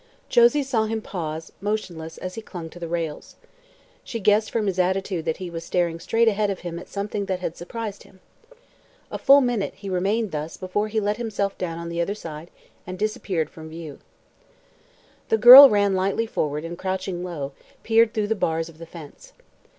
Josie saw him suddenly pause, motionless, as he clung to the rails. She guessed from his attitude that he was staring straight ahead of him at something that had surprised him. A full minute he remained thus before he let himself down on the other side and disappeared from view. The girl ran lightly forward and, crouching low, peered through the bars of the fence.